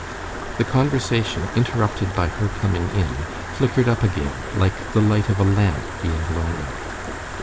The conversation, interrupted by her coming in, flickered up again like the light of a lamp being blown out.